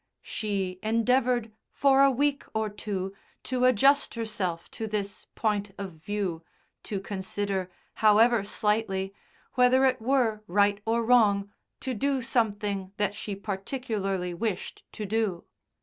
She endeavoured for a week or two to adjust herself to this point of view, to consider, however slightly, whether it were right or wrong to do something that she particularly wished to do.